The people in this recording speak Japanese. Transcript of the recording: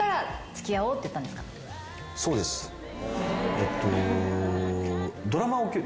えっと。